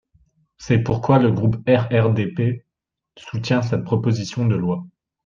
C’est pourquoi le groupe RRDP soutient cette proposition de loi.